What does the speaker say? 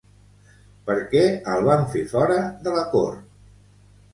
Per què el van fer fora de la cort?